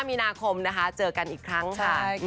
มีนาคมนะคะเจอกันอีกครั้งค่ะ